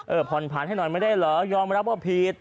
ผ่อนผันให้หน่อยไม่ได้เหรอยอมรับว่าผิด